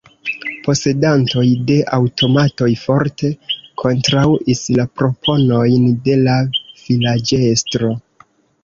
Posedantoj de aŭtomatoj forte kontraŭis la proponojn de la vilaĝestro.